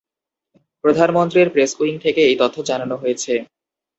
প্রধানমন্ত্রীর press wing থেকে এই তথ্য জানানো হয়েছে।